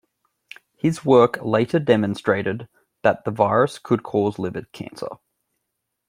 His work later demonstrated that the virus could cause liver cancer.